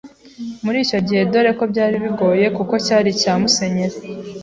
muri icyo kigo dore ko byari bigoye kuko cyari icya musenyeri